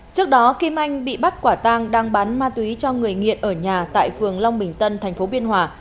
trước đó kim anh bị bắt quả tang đang bán ma túy cho người nghiện ở nhà tại phường long bình tân tp biên hòa